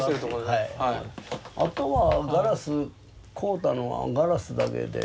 あとはガラス買うたのはガラスだけで。